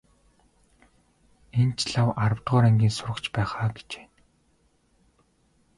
Энэ ч лав аравдугаар ангийн сурагч байх аа гэж байна.